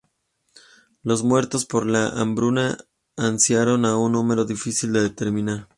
Los muertos por la hambruna ascendieron a un número difícil de determinar.